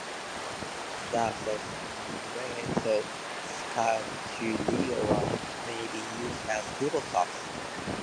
Slabs of "Marezzo scagliola" may be used as table tops.